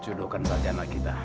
jodohkan pada anak kita